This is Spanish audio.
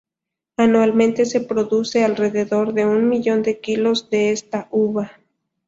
Anualmente se produce alrededor de un millón de kilos de esta uva.